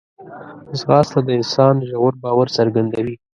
ځغاسته د انسان ژور باور څرګندوي